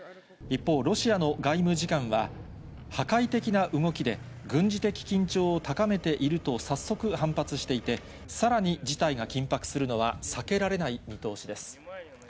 一方、ロシアの外務次官は、破壊的な動きで、軍事的緊張を高めていると、早速反発していて、さらに事態が緊迫するのは避けられない見通しです。